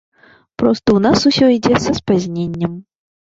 Проста ў нас усё ідзе са спазненнем.